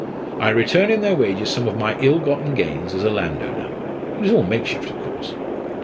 I return in their wages some of my ill gotten gains as a landowner. It is all makeshift, of course."